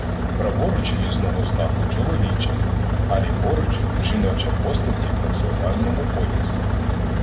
Праворуч в'їзного знаку чоловіча, а ліворуч жіноча постаті в національному одязі.